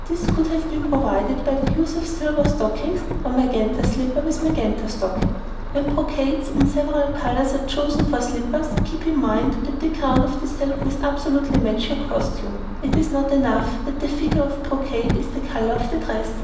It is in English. This could have been avoided by the use of silver stockings or magenta slippers with magenta stockings. When brocades, in several colours, are chosen for slippers, keep in mind that the ground of the silk must absolutely match your costume. It is not enough that in the figure of brocade is the colour of the dress.